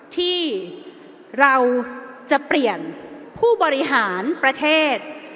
ที่เราจะเปลี่ยนผู้บริหารประเทศ